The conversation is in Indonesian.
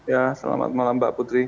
ya selamat malam mbak putri